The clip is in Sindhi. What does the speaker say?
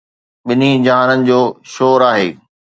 ٻنھي جھانن جو شور آھي